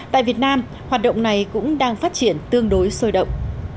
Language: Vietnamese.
tại việt nam hoạt động này cũng đang phát triển tương đối sôi động